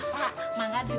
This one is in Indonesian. pak mangga dulu